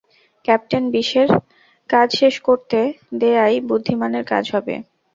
Captain বিষের কাজ শেষ করতে দেয়াই বুদ্ধিমানের কাজ হবে।